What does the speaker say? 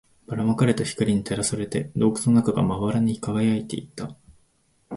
ばら撒かれた光に照らされて、洞窟の中がまばらに輝いていた